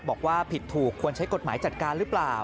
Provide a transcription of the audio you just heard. บอกว่าผิดถูกควรใช้กฎหมายจัดการหรือเปล่า